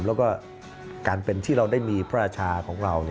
แล้วก็การเป็นที่เราได้มีพระราชาของเรา